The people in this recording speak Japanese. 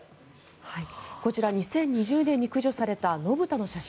こちら２０２０年に駆除された野豚の写真。